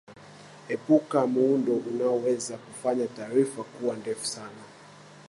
epuka muundo unaoweza kufanya taarifa kuwa ndefu sana